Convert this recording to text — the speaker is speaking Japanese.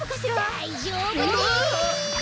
だいじょうぶです！